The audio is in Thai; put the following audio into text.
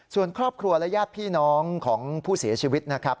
ส่วนครอบครัวและญาติพี่น้องของผู้เสียชีวิตนะครับ